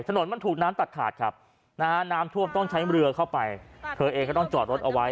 ถนนมันถูกน้ำตัดขาดครับนะฮะน้ำท่วมต้องใช้เรือเข้าไปเธอเองก็ต้องจอดรถเอาไว้